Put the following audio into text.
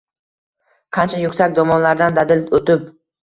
Qancha yuksak dovonlardan dadil o‘tib